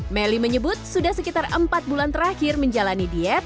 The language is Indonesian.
melly menyebut sudah sekitar empat bulan terakhir menjalani diet